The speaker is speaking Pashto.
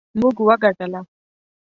موږ وګټله